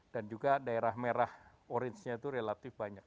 dan juga daerah merah orangenya itu relatif banyak